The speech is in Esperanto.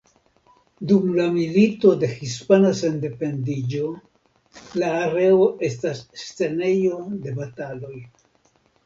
Dum la Milito de Hispana Sendependiĝo la areo estas scenejo de bataloj.